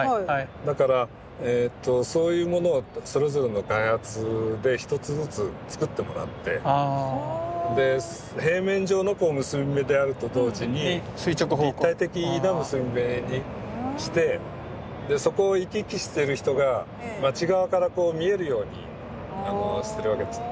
だからそういうものをそれぞれの開発で一つずつつくってもらってで平面上の結び目であると同時に立体的な結び目にしてそこを行き来している人が街側からこう見えるようにするわけですね。